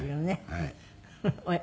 はい。